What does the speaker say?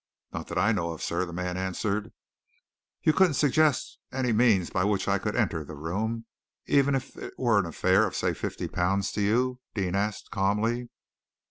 "Not that I know of, sir," the man answered. "You couldn't suggest any means by which I could enter that room, even if it were an affair of say fifty pounds to you?" Deane asked calmly.